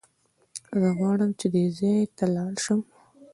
زه غواړم چې دې ځای ته لاړ شم.